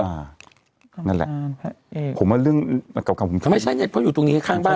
อ่านั่นแหละผมว่าเรื่องไม่ใช่เนี้ยเพราะอยู่ตรงนี้ข้างบ้าน